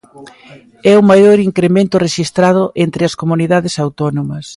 É o maior incremento rexistrado entre as comunidades autónomas.